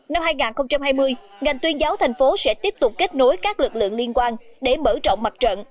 năm hai nghìn hai mươi ngành tuyên giáo thành phố sẽ tiếp tục kết nối các lực lượng liên quan để mở rộng mặt trận